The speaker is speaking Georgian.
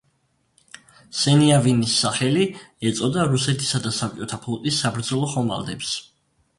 სენიავინის სახელი ეწოდა რუსეთისა და საბჭოთა ფლოტის საბრძოლო ხომალდებს.